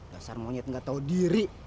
dasar monyet gak tau diri